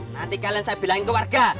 nanti kalian saya bilang ke warga